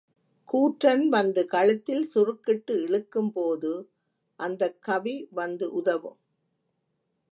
கூற்றன் வந்து கழுத்தில் சுருக்கிட்டு இழுக்கும்போது அந்தக் கவி வந்து உதவும்.